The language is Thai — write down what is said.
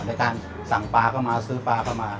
ในการสั่งปลากันมาซื้อปลากันมา